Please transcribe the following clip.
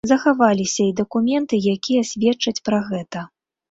Захаваліся і дакументы, якія сведчаць пра гэта.